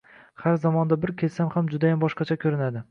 Har zamonda bir kelsam ham judayam boshqacha koʻrinardi.